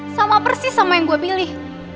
sama persis sama yang gue pilih